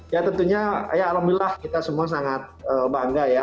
ya tentunya ya alhamdulillah kita semua sangat bangga ya